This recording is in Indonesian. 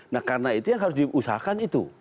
nah karena itu yang harus diusahakan itu